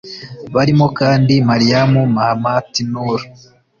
Barimo kandi Mariam Mahamat Nour